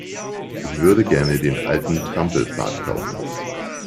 Ich würde gerne den alten Trampelpfad kaufen.